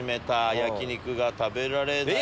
焼き肉が食べられない？